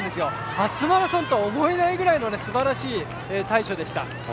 初マラソンと思えないぐらいの素晴らしい振る舞いでした。